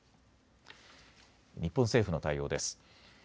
日本政府の対応です。